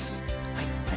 はい。